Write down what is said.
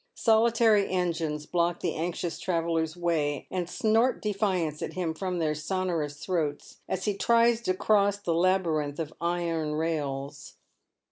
Solitary engines block the anxious traveller's way, and snort defiance at him from their sonorous throats, as he tries to cross the labyrinth of iron rai^s.